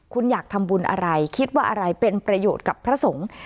คุณอยากทำบุญอะไรคิดว่าอะไรเป็นประโยชน์กับพระสงฆ์